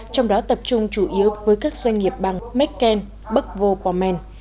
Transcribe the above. trong đó tập trung chủ yếu với các doanh nghiệp bang mecklenburg vorpommern